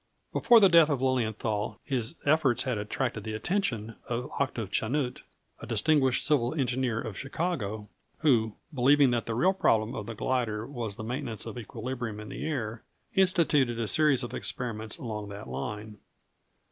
] Before the death of Lilienthal his efforts had attracted the attention of Octave Chanute, a distinguished civil engineer of Chicago, who, believing that the real problem of the glider was the maintenance of equilibrium in the air, instituted a series of experiments along that line.